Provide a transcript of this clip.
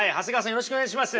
よろしくお願いします。